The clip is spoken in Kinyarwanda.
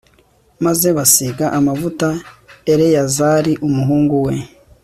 maze basiga amavuta eleyazari umuhungu we